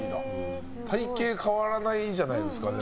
体形変わらないじゃないですか。